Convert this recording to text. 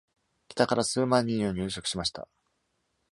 北から数万人を入植しました。